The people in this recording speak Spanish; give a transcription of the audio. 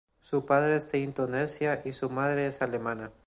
Su padre es de Indonesia y su madre es alemana.